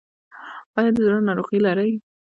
ایا د زړه ناروغي لرئ؟